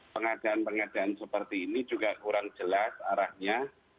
pengadaan pengadaan seperti ini juga kurang jelas arahnya